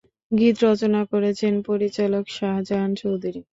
গীত রচনা করেছেন পরিচালক শাহজাহান চৌধুরী।